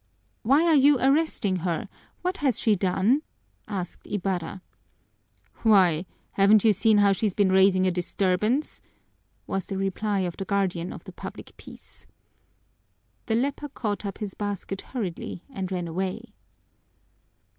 "Why are you arresting her? What has she done?" asked Ibarra. "Why, haven't you seen how she's been raising a disturbance?" was the reply of the guardian of the public peace. The leper caught up his basket hurriedly and ran away.